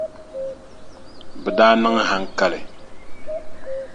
Bɛ daa niŋ haŋkali.